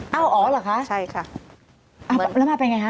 อ๋อเหรอคะใช่ค่ะแล้วมาเป็นอย่างไรคะ